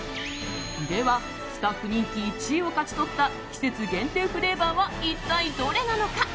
ではスタッフ人気１位を勝ち取った季節限定フレーバーは一体どれなのか。